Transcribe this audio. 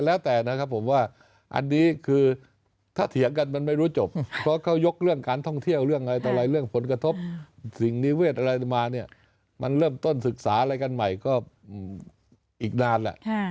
แล้วแต่นะครับผมว่าอันนี้คือถ้าเถียงกันมันไม่รู้จบเพราะเขายกเรื่องการท่องเที่ยวเรื่องอะไรต่ออะไรเรื่องผลกระทบสิ่งนิเวศอะไรมาเนี่ยมันเริ่มต้นศึกษาอะไรกันใหม่ก็อีกนานแหละ